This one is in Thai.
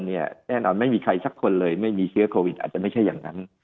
แน่นอนไม่มีใครสักคนเลยไม่มีเชื้อโควิดอาจจะไม่ใช่อย่างนั้น